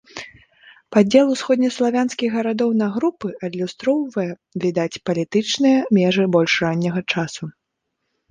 Падзел усходнеславянскіх гарадоў на групы адлюстроўвае, відаць, палітычныя межы больш ранняга часу.